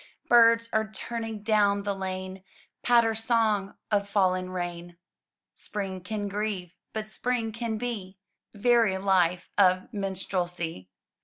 Birds are timing down the lane Patter song of fallen rain. Spring can grieve, but Spring can be Very life of minstrelsy!